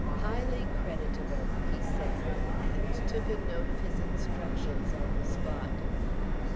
"Highly creditable," he said, and took a note of his instructions on the spot.